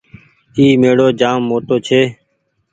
اي ميڙو جآم موٽو ڇي۔